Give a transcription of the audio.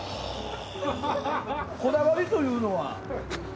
こだわりというのは？